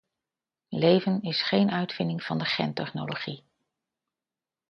Leven is geen uitvinding van de gentechnologie.